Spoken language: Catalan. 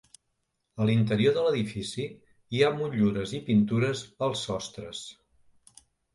A l'interior de l'edifici hi ha motllures i pintures als sostres.